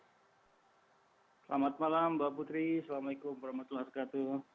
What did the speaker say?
selamat malam mbak putri assalamualaikum warahmatullahi wabarakatuh